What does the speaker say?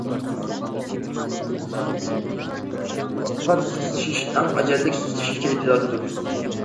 ئېتىقاد سۇسلىشىش ئەڭ ئەجەللىك سۇسلىشىش كەيپىياتىدۇر.